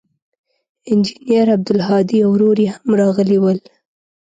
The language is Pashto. انجنیر عبدالهادي او ورور یې هم راغلي ول.